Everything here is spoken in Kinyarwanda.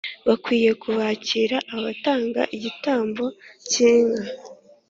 bakwiriye kubakira abatamba igitambo cy inka